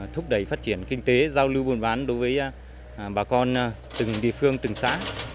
thúc đẩy phát triển kinh tế giao lưu buôn bán đối với bà con từng địa phương từng xã